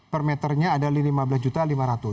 per meternya adalah rp lima belas lima ratus